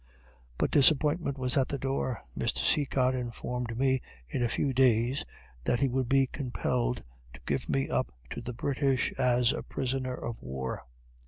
But disappointment was at the door. Mr. Cecott informed me in a few days that he would be compelled to give me up to the British as a prisoner of war.